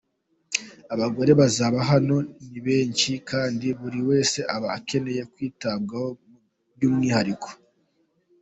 Abagore baza hano ni benshi kandi buri wese aba akeneye kwitabwaho by’umwihariko.”